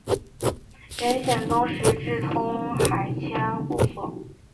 元宪宗时置通海千户所。